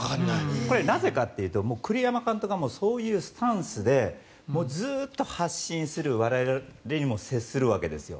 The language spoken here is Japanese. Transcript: これ、なぜかというと栗山監督が、そういうスタンスでずっと発信する我々にも接するわけですよ。